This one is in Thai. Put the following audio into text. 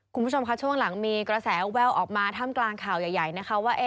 คุณผู้ชมค่ะช่วงหลังมีกระแสแววออกมาท่ามกลางข่าวใหญ่นะคะว่า